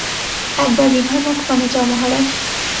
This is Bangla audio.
একবার বিভার মুখপানে চাও মহারাজ!